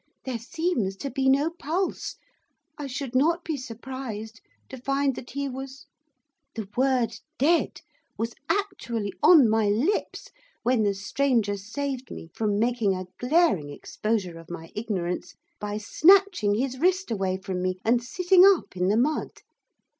There seems to be no pulse. I should not be surprised to find that he was ' The word 'dead' was actually on my lips, when the stranger saved me from making a glaring exposure of my ignorance by snatching his wrist away from me, and sitting up in the mud.